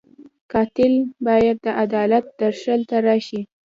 قاتل باید د عدالت درشل ته راشي